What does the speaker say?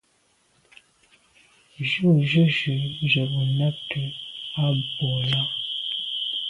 Jù jujù ze bo nabte à bwô là.